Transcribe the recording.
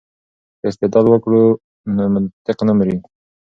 که استدلال وکړو نو منطق نه مري.